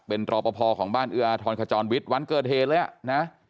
เป็นรอปภของบ้านเอื้ออาทรขจรวิทย์วันเกิดเหตุเลยอ่ะนะ